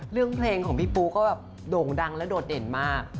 เรื่องเพลงของพี่ปูก็แบบโด่งดังและโดดเด่นมาก